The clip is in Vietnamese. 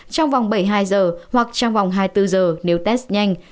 trong vòng bảy mươi hai giờ hoặc trong vòng hai mươi bốn giờ nếu test nhanh